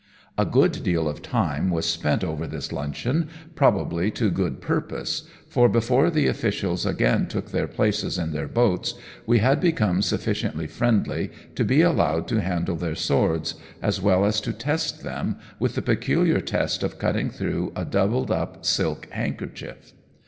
A good deal of time was spent over this luncheon, probably to good purpose, for before the officials again took their places in their boats, we had become sufficiently friendly to be allowed to handle their swords, as well as to test them with the peculiar test of cutting through a doubled up silk handkerchief.